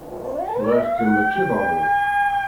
Bɣiɣ-kem mačči d aḍu.